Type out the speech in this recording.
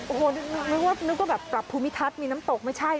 โอ้โฮนึกว่าแบบกลับภูมิทัศน์มีน้ำตกไม่ใช่